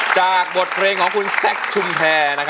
จากบทเพลงของคุณแซคชุมแพร